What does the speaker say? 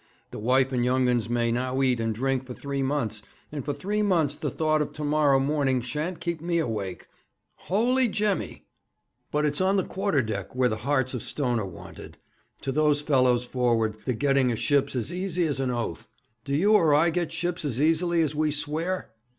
'The wife and young uns may now eat and drink for three months, and for three months the thought of to morrow morning shan't keep me awake. Holy Jemmy! But it's on the quarter deck where the hearts of stone are wanted. To those fellows forward the getting a ship's as easy as an oath. Do you or I get ships as easily as we swear?'